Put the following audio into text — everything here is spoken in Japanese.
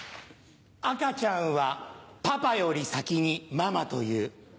赤ちゃんはパパより先にママという。